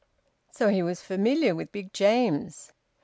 So he was familiar with Big James.